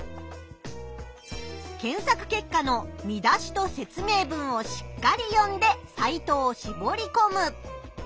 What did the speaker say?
検索結果の見出しと説明文をしっかり読んでサイトをしぼりこむ。